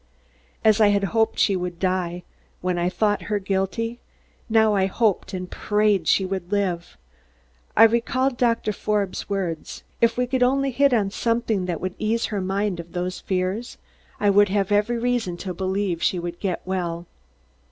As I had hoped she would die, when I thought her guilty, now I hoped and prayed she would live. I recalled Doctor Forbes' words: "If we could only hit on something that would ease her mind of those fears, I would have every reason to believe she would get well."